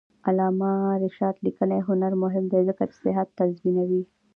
د علامه رشاد لیکنی هنر مهم دی ځکه چې صحت تضمینوي.